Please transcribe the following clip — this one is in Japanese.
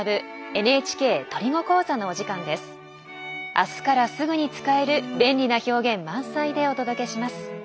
明日からすぐに使える便利な表現満載でお届けします。